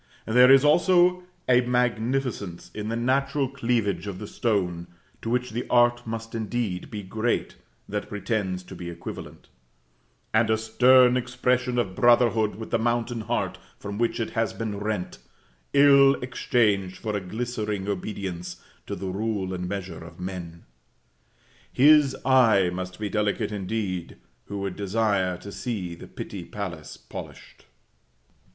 There is also a magnificence in the natural cleavage of the stone to which the art must indeed be great that pretends to be equivalent; and a stern expression of brotherhood with the mountain heart from which it has been rent, ill exchanged for a glistering obedience to the rule and measure of men. His eye must be delicate indeed, who would desire to see the Pitti palace polished.